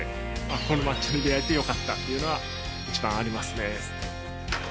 あーこの抹茶に出会えてよかったというのが一番ありますね。